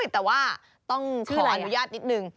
แต่ว่าต้องขออนุญาตนิดนึง